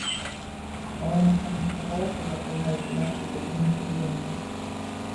Калонам карынфскага ордэру адпавядаюць пілястры па перыметры будынку.